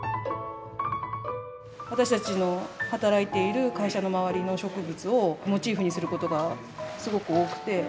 私たちの働いている会社の周りの植物をモチーフにすることがすごく多くて。